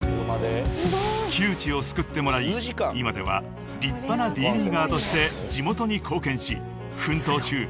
［窮地を救ってもらい今では立派なＤリーガーとして地元に貢献し奮闘中］